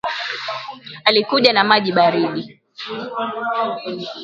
Alikuja na maji baridi